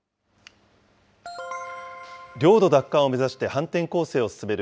領土奪還を目指して反転攻勢を進める